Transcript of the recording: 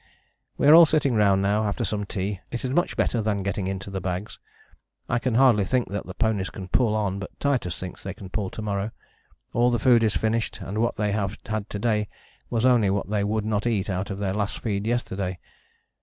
"We are all sitting round now after some tea it is much better than getting into the bags. I can hardly think that the ponies can pull on, but Titus thinks they can pull to morrow; all the food is finished, and what they have had to day was only what they would not eat out of their last feed yesterday.